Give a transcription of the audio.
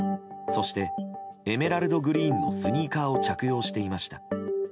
そして、エメラルドグリーンのスニーカーを着用していました。